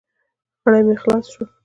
غړي مې خلاص شول.